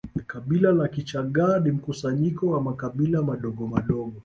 Kabila la Kichaga ni mkusanyiko wa makabila madogomadogo